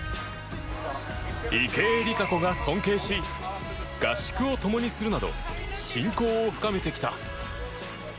池江璃花子が尊敬し合宿をともにするなど親交を深めてきた。